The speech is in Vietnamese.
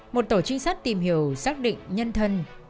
một tổ trinh sát tìm hiểu xác định nhân thân